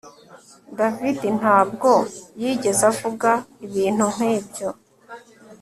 David ntabwo yigeze avuga ibintu nkibyo